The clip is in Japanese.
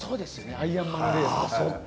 アイアンマンレースとか。